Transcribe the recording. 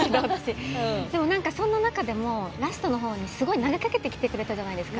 でも何かそんな中でもラストの方にすごい投げかけてきてくれたじゃないですか。